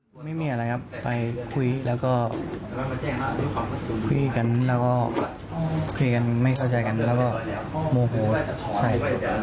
เห็นเป้าไปดับรองเขาจริงมั้ย